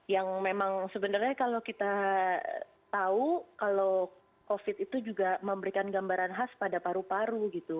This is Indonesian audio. yang memang sebenarnya kalau kita tahu kalau covid itu juga memberikan gambaran khas pada paru paru gitu